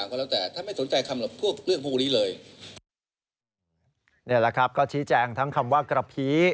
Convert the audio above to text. นี่แหละครับก็ชี้แจงทั้งคำว่ากระพี